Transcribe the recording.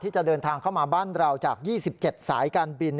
จะเดินทางเข้ามาบ้านเราจาก๒๗สายการบิน